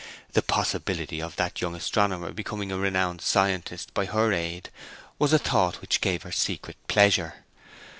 The possibility of that young astronomer becoming a renowned scientist by her aid was a thought which gave her secret pleasure.